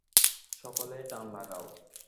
সকলে টান লাগাও।